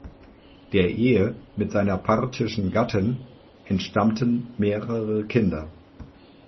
Der Ehe mit seiner parthischen Gattin entstammten mehrere Kinder.